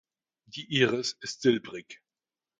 Die Iris ist silbrig.